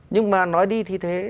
nhưng mà nói đi thì thế